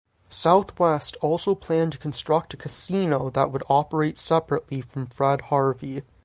Southwest also planned to construct a casino that would operate separately from Fred Harvey.